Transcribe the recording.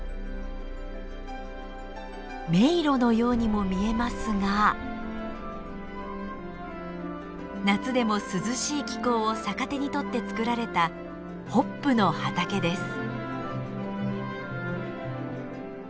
迷路のようにも見えますが夏でも涼しい気候を逆手に取って作られたホップの畑です。